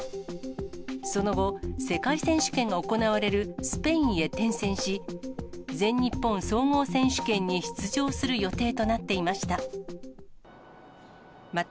その後、世界選手権が行われるスペインへ転戦し、全日本総合選手権に出場する予定となっていました。